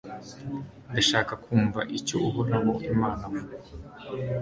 ndashaka kumva icyo uhoraho imana avuze